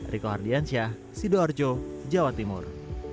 riko hardiansyah sido arjo jawa timur